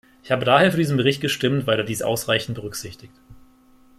Ich habe daher für diesen Bericht gestimmt, weil er dies ausreichend berücksichtigt.